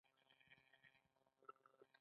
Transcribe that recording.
کارګر باید څنګه وي؟